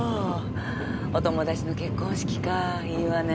お友達の結婚式かあいいわね。